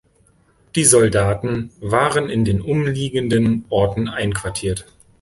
Die Soldaten waren in den umliegenden Orten einquartiert.